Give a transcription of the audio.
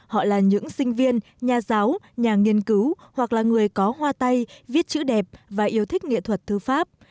họ là những sinh viên nhà giáo nhà nghiên cứu hoặc là người có hoa tay viết chữ đẹp và yêu thích nghệ thuật thư pháp